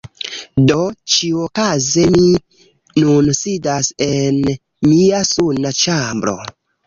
Do ĉiuokaze mi nun sidas en mia suna ĉambro